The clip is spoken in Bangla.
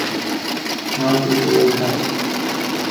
হাত উপরে উঠাও।